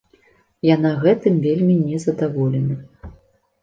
Яна гэтым вельмі незадаволена.